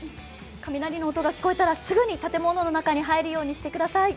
雷の音が聞こえたらすぐに建物の中に入るようにしてください。